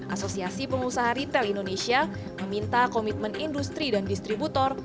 asosiasi pengusaha retail indonesia meminta komitmen industri dan distributor